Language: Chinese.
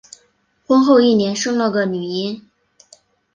婚后一年生了个女婴